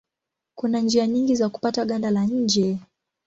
Kuna njia nyingi za kupata ganda la nje.